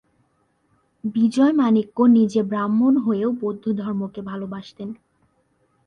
বিজয় মাণিক্য নিজে ব্রাহ্মণ হয়েও বৌদ্ধ ধর্মকে ভালোবাসতন।